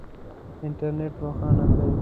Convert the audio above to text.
انټرنېټ روښانه کړئ